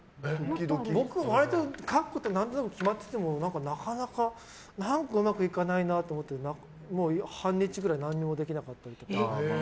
僕、書くこと何となく決まってても何かうまくいかないなと思って半日ぐらい何もできなくなったりとか。